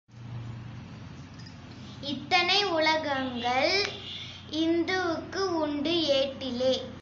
இத்தனை உலகங்கள் இந்துவுக்கு உண்டு ஏட்டிலே.